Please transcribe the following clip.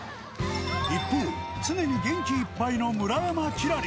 一方、常に元気いっぱいの村